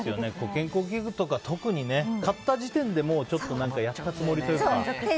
健康器具とか、特に買った時点でちょっとやったつもりというか。